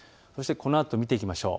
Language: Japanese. このあと見ていきましょう。